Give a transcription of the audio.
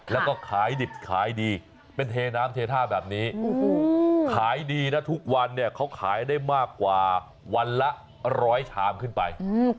แล้วก็ขายดิบขายดีเป็นเทน้ำเทท่าแบบนี้ขายดีนะทุกวันเนี่ยเขาขายได้มากกว่าวันละ๑๐๐ชามขึ้นไป